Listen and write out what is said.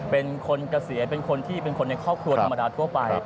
เป็นคนเกษียณเป็นคนที่เป็นคนในครอบครัวธรรมดาทั่วไป